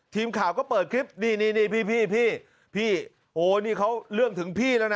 ทีมข่าวก็เปิดคลิปนี่นี่พี่พี่โอ้นี่เขาเรื่องถึงพี่แล้วนะ